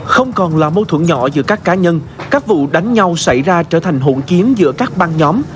không còn là mâu thuẫn nhỏ giữa các cá nhân các vụ đánh nhau xảy ra trở thành hỗn kiếm giữa các bang nhóm